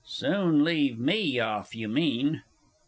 Soon leave me off you mean!